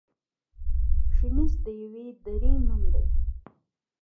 شنیز د یوې درې نوم دی.